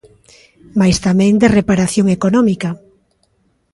Mais tamén de reparación económica.